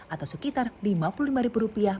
atau sekitar lima puluh lima ribu rupiah